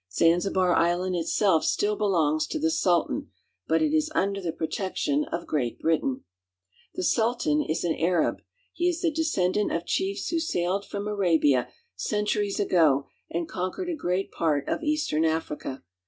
Zanzibar Island itself still belongs to the Sultan, but it is under the protection of Great Britain. w ^^V The Suit ^^^Hchiefs who The Sultan is an Arab. He is the descendant of ^chiefs who sailed from Arabia, centuries ago, and con ' quered a great part of eastern Africa.